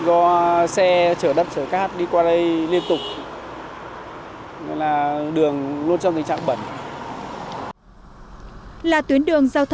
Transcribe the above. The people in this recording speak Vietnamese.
ở khu vực này thì